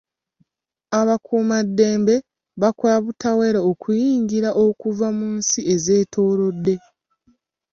Abakuumaddembe bakola butaweera okuyingira okuva mu nsi ezeetoolodde.